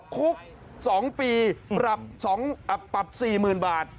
คุก๒ปีปรับ๔๐๐๐บาท